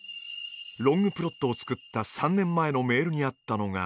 ロングプロットを作った３年前のメールにあったのがこの言葉。